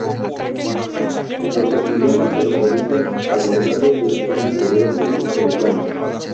En los opiliones se localizan a los lados de la zona anterior del prosoma.